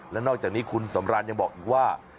และนอกจากนี้คุณสำรานยังบอกอีกว่า